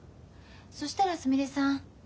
そしたらすみれさん